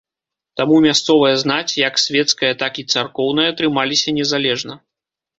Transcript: Таму мясцовая знаць, як свецкая, так і царкоўная трымаліся незалежна.